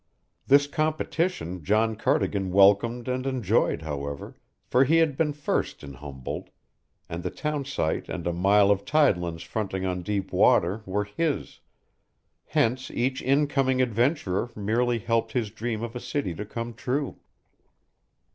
This competition John Cardigan welcomed and enjoyed, however, for he had been first in Humboldt, and the townsite and a mile of tidelands fronting on deep water were his; hence each incoming adventurer merely helped his dream of a city to come true.